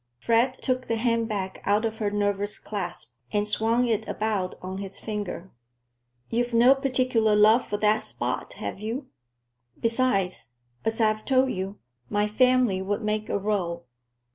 Fred took the handbag out of her nervous clasp and swung it about on his finger. "You've no particular love for that spot, have you? Besides, as I've told you, my family would make a row.